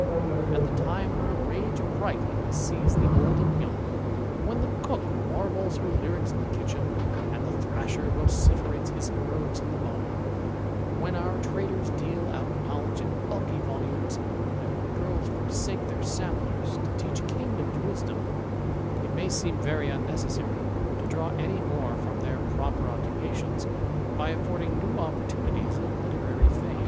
At the time when the rage of writing has seized the old and young, when the cook warbles her lyricks in the kitchen, and the thrasher vociferates his heroicks in the bam ; when our traders deal out knowledge in bulky volumes, and oar girls forsake their samplers to teach kingdoms wisdom ] it may seem very unnecessary to draw any more from their proper occupations, by affording new opportunities of literary fame.